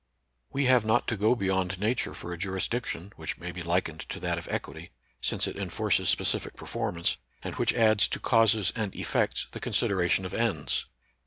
We have not to go beyond Nature for a jurisdiction, which may be likened to that of Equity, since it enforces specific performance, and which adds to causes and effects the consid eration of ends.